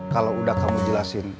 kalau udah kamu jelasin